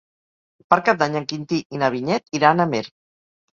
Per Cap d'Any en Quintí i na Vinyet iran a Amer.